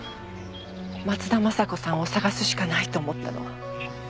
松田雅子さんを捜すしかないと思ったの。